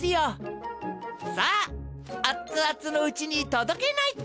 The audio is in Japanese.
さああっつあつのうちにとどけないと。